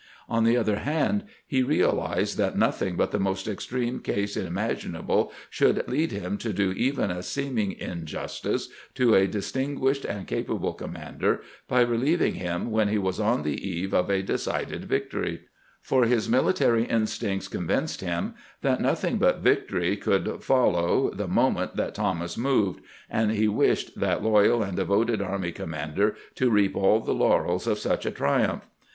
On the other hand, he realized that noth ing but the most extreme case imaginable should lead him to do even a seeming injustice to a distinguished and capable commander by relieving him when he was on the eve of a decided victory ; for his mili|;ary instincts convinced him that nothing but victory could follow the moment that Thomas moved, and he wished that loyal and devoted army commander to reap aU the laurels of such a triumph.